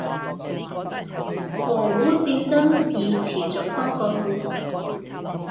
俄烏戰爭已持續多個月